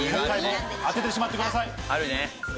当ててしまってください。